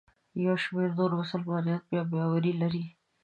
یو شمېر نور مسلمانان بیا باور لري.